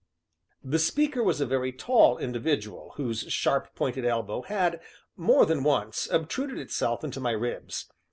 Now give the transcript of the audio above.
The speaker was a very tall individual whose sharp pointed elbow had, more than once, obtruded itself into my ribs.